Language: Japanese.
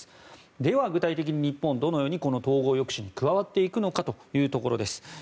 では、具体的に日本はこの統合抑止に加わっていくのかというところです。